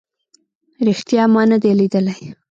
ریښتیا ما نه دی لیدلی